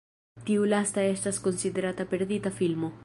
Tiu lasta estas konsiderata perdita filmo.